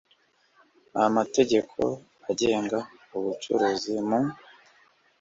n amategeko agenga ubucuruzi mu